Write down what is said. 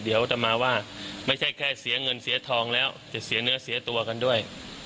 อัตมาว่าไม่ใช่แค่เสียเงินเสียทองแล้วจะเสียเนื้อเสียตัวกันด้วย